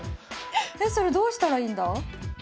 えそれどうしたらいいんだ？